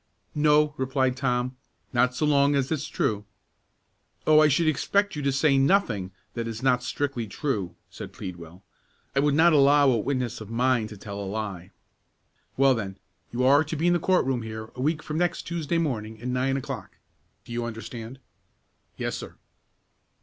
"No," replied Tom, "not so long as it's true." "Oh, I should expect you to say nothing that is not strictly true," said Pleadwell. "I would not allow a witness of mine to tell a lie. Well, then, you are to be in the court room here a week from next Tuesday morning at nine o'clock. Do you understand?" "Yes, sir."